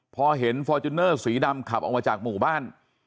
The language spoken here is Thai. พอเห็นฟอร์จูเนอร์สีดำขับออกมาจากหมู่บ้าน